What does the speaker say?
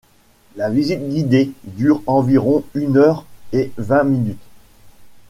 La visite guidée dure environ une heure et vingt minutes.